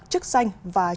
chức danh và chức vụ